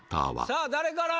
さあ誰から？